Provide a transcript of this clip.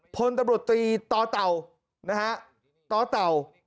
พลตำรวจตีตอเตานะฮะตอเตา